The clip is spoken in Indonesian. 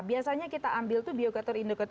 biasanya kita ambil itu biokator indikator